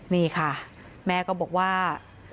นี่ค่ะแม่ก็บอกว่า